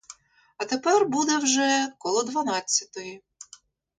А тепер буде вже коло дванадцятої.